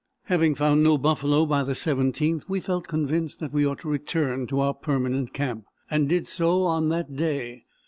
Having found no buffalo by the 17th, we felt convinced that we ought to return to our permanent camp, and did so on that day.